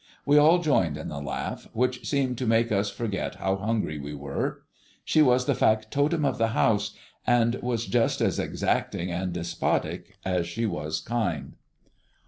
We all joined in the laugh, which seemed to make us forget how hungry we were. She was the factotum of the house, and was just as exacting and despotic as she was kind.